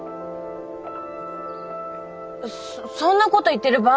そんなこと言ってる場合じゃ。